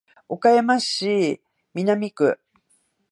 岡山市南区